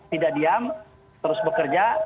tidak diam terus bekerja